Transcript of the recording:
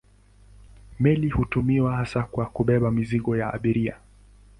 Meli hutumiwa hasa kwa kubeba mizigo na abiria.